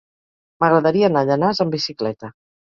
M'agradaria anar a Llanars amb bicicleta.